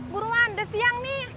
buruan udah siang nih